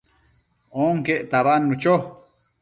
onquec tabadnu cho